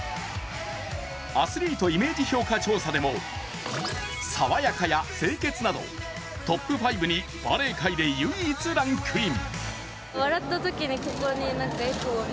アスリートイメージ評価調査でも爽やかや清潔など、トップ５にバレー界で唯一ランクイン。